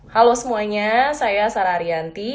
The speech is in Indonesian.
halo semuanya saya sarah ariyanti